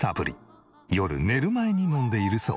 夜寝る前に飲んでいるそう。